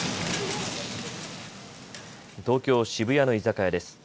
東京渋谷の居酒屋です。